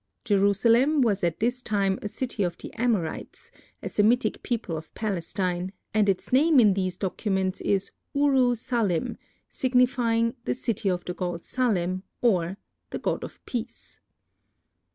Jerusalem was at this time a city of the Amorites, a Semitic people of Palestine and its name in these documents is Uru Salim, signifying "The City of the god Salim," or the "God of Peace."